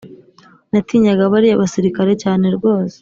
natinyaga bariya basirikare cyane rwose